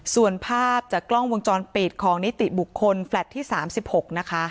ส่วนภาพจากกล้องวงจรปิดของนิติบุคคลแฟลต์ที่๓๖นะคะ